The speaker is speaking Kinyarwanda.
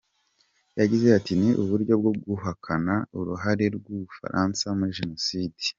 Yagize ati “Ni uburyo bwo guhakana uruhare rw’u Bufaransa muri Jenoside.